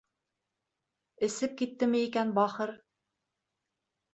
Эсеп киттеме икән, бахыр?